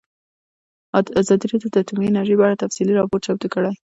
ازادي راډیو د اټومي انرژي په اړه تفصیلي راپور چمتو کړی.